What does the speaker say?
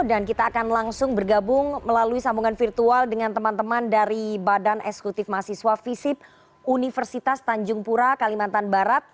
kita akan langsung bergabung melalui sambungan virtual dengan teman teman dari badan eksekutif mahasiswa visip universitas tanjung pura kalimantan barat